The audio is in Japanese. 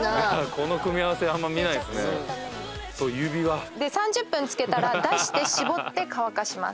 この組み合わせあんま見ないですねと指輪３０分つけたら出して絞って乾かします